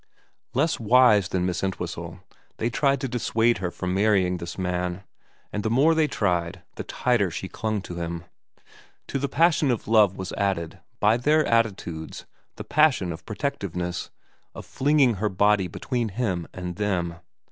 Less wise than Miss Entwhistle, they tried to dissuade her from marrying this man, and the more they tried the tighter she clung to him. To the passion of love was added, by their attitudes, the passion of protectiveness, of flinging her body between him and them.